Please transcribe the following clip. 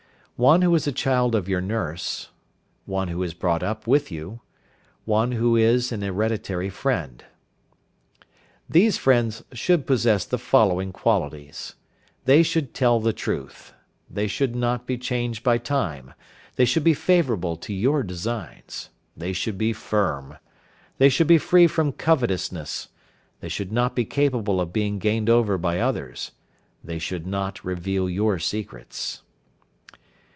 One who is a child of your nurse. One who is brought up with you. One who is an hereditary friend. These friends should possess the following qualities: They should tell the truth. They should not be changed by time. They should be favourable to your designs. They should be firm. They should be free from covetousness. They should not be capable of being gained over by others. They should not reveal your secrets.